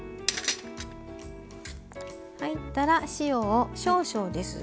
入ったら塩を少々です。